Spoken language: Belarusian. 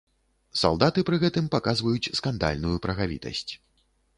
Салдаты пры гэтым паказваюць скандальную прагавітасць.